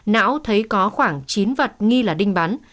não thấy có khoảng chín vật nghi là đinh bán